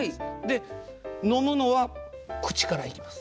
で飲むのは口から行きます。